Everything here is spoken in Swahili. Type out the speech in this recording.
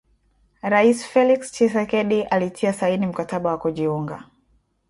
Rais Felix Tchisekedi alitia saini mkataba wa kujiunga,